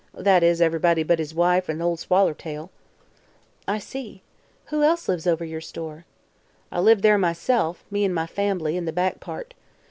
That is, ev'rybody but his wife an' Ol' Swallertail." "I see. Who else lives over your store?" "I live there myself; me an' my fambly, in the back part.